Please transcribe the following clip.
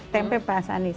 tempe pak anies